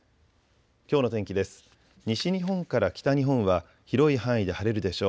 きょうの天気です。